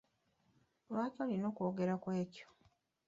Lwaki olina okwogera ku ekyo?